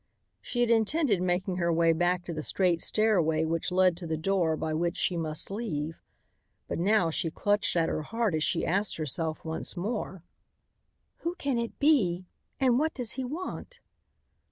She had intended making her way back to the straight stairway which led to the door by which she must leave. But now she clutched at her heart as she asked herself once more: "Who can it be? And what does he want?"